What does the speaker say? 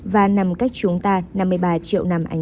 và nằm cách chúng ta năm mươi bài